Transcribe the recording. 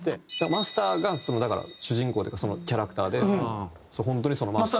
マスターがだから主人公っていうかキャラクターで本当にそのマスター。